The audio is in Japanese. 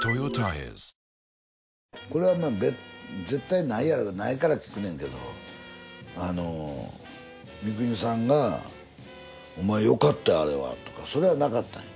絶対ないから聞くねんけど三國さんが「お前よかったよあれは」とかそれはなかった？